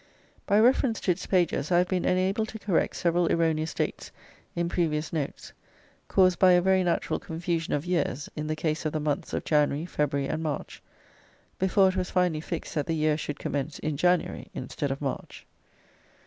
By reference to its pages I have been enabled to correct several erroneous dates in previous notes caused by a very natural confusion of years in the case of the months of January, February, and March, before it was finally fixed that the year should commence in January instead of March.